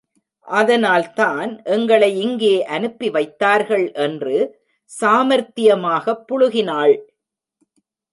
அதனால்தான் எங்களை இங்கே அனுப்பி வைத்தார்கள் என்று சாமர்த்தியமாகப் புளுகினாள்.